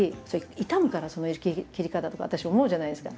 「傷むからその切り方」とか私思うじゃないですか。